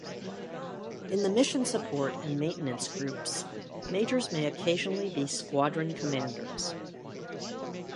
In the mission support and maintenance groups majors may occasionally be squadron commanders.